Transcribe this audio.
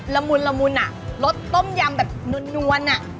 ละมุนอ่ะรสต้มยำแบบน้วนอ่ะ